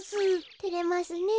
てれますねえ。